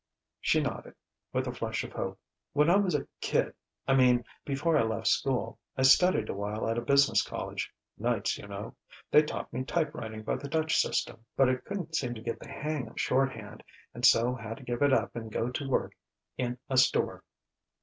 She nodded, with a flush of hope. "When I was a kid I mean, before I left school I studied a while at a business college nights, you know. They taught me type writing by the touch system, but I couldn't seem to get the hang of shorthand, and so had to give it up and go to work in a store."